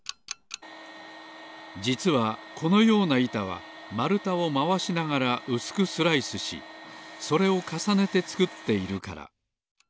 じつはこのようないたはまるたをまわしながらうすくスライスしそれをかさねてつくっているから。